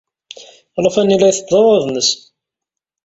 Alufan-nni la itteṭṭeḍ aḍad-nnes.